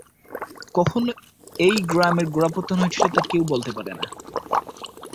কখন এই গ্রামের গোড়াপত্তন হয়েছিল কেউ বলতে পারে না।